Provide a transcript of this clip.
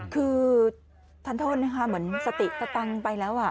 คือท่านโทษนะคะเหมือนสติตกตังไปแล้วอ่ะ